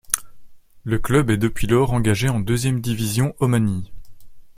Le club est depuis lors engagé en deuxième division omanie.